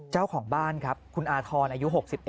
เจ้าของบ้านครับคุณอาทรอายุ๖๑